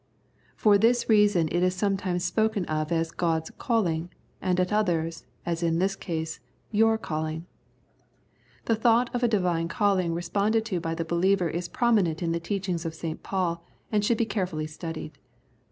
For this reason it is sometimes spoken of as God's " calling," and at others, as in this case, as "your calling." The thought of a Divine calling responded to by the believer is prominent in the teaching of St. Paul, and should be carefully studied.